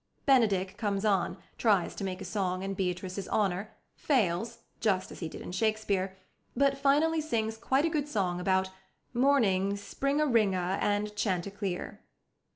Benedick comes on, tries to make a song in Beatrice's honour, fails (just as he did in Shakespeare), but finally sings quite a good song about "Morning, spring a ring a and chantecleer."